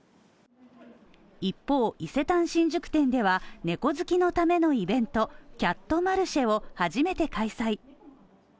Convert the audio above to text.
一方、伊勢丹新宿店では猫好きのためのイベントキャットマルシェを初めて開催。